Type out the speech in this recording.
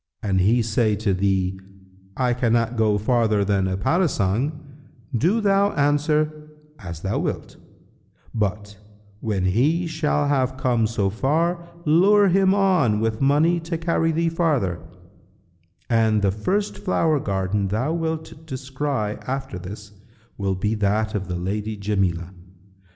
An he say to thee, 'I cannot go farther than a parasang' do thou answer, 'As thou wilt;' but, when he shall have come so far, lure him on with money to carry thee farther; and the first flower garden thou wilt descry after this will be that of the lady Jamilah.